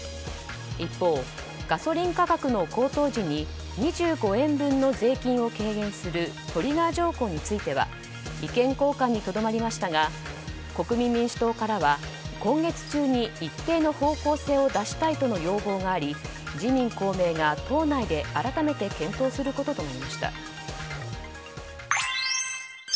一方、ガソリン価格の高騰時に２５円分の税金を軽減するトリガー条項について意見交換にとどまりましたが国民民主党からは今月中に一定の方向性を出したいとの要望があり自民・公明が党内で改めて検討することとなりました。